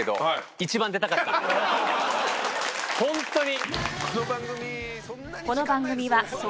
ホントに！